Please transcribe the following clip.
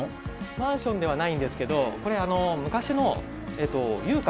マンションではないんですけどこれあの昔の遊郭。